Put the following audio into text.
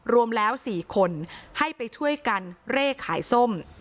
รวมแล้ว๔คนให้ไปช่วยกันเร่ขายส้ม